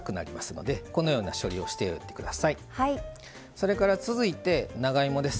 それから続いて長芋です。